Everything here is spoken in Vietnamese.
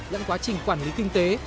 lẫn quá trình quản lý kinh tế